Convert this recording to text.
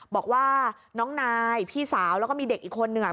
บอกว่าน้องนายพี่สาวแล้วก็มีเด็กอีกคนนึงอ่ะ